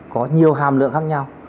có nhiều hàm lượng khác nhau